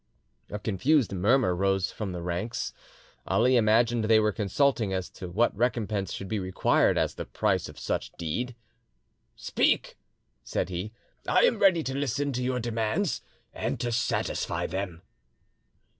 A confused murmur rose from the ranks. Ali imagined they were consulting as to what recompense should be required as the price of such deed. "Speak," said he; "I am ready to listen to your demands and to satisfy them."